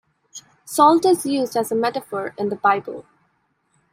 Salt is used as a metaphor in the Bible.